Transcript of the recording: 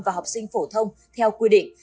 và học sinh phổ thông theo quy định